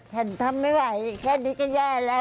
ท่านทำไม่ไหวแค่นี้ง่ายแล้ว